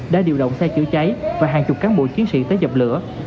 đã điều động xe chữa cháy và hàng chục cán bộ chiến sĩ tới dập lửa